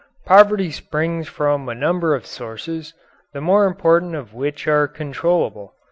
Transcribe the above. Poverty springs from a number of sources, the more important of which are controllable.